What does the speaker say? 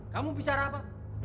kamu bicara apa